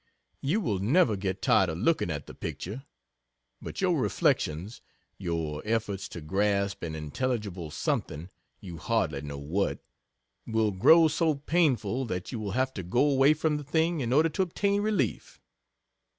You will never get tired of looking at the picture, but your reflections your efforts to grasp an intelligible Something you hardly know what will grow so painful that you will have to go away from the thing, in order to obtain relief.